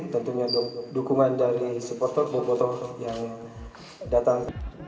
tentunya dukungan dari supporter supporter yang datang